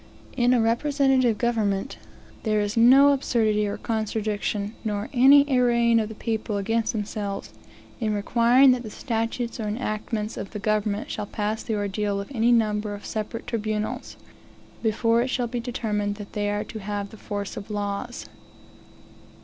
One answer is, that, in a representative government, there is no absurdity or contradiction, nor any arraying of the people against themselves, in requiring that the statutes or enactments of the government shall pass the ordeal of any number of separate tribunals, before it shall be determined that they are to have the force of laws.